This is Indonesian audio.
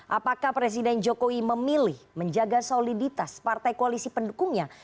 apakah presiden jokowi memilih menjaga soliditas partai koalisi pendukungnya